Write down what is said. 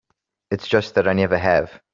It's just that I never have.